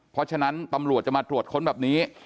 เพราะฉะนั้นตำรวจจะมาตรวจค้นแบบนี้